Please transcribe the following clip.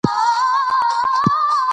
آب وهوا د افغانستان د صادراتو برخه ده.